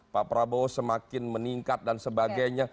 pak prabowo semakin meningkat dan sebagainya